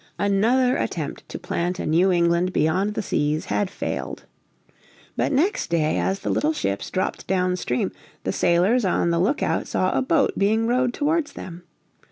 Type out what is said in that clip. Another attempt to plant a New England beyond the seas had failed. But next day as the little ships dropped down stream the sailors on the lookout saw a boat being rowed towards them.